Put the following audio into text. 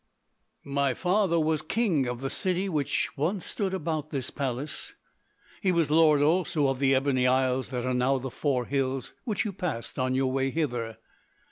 ] "My father was king of the city which once stood about this palace. He was lord also of the Ebony Isles that are now the four hills which you passed on your way hither.